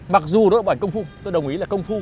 mặc dù nó bởi công phu tôi đồng ý là công phu